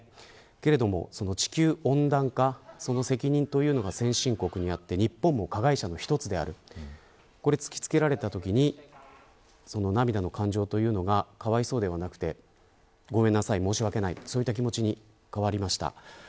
けれども地球温暖化その責任というのが先進国にあって日本も加害者の一つでこれを突き付けられたときに涙の感情というのがかわいそうではなくごめんなさい申しわけないという気持ちに変わりました。